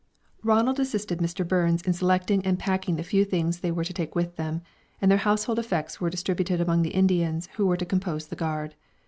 Ronald assisted Mr. Burns in selecting and packing the few things they were to take with them, and their household effects were distributed among the Indians who were to compose the guard.